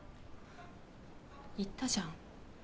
言ったじゃん。